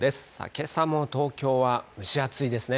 けさも東京は蒸し暑いですね。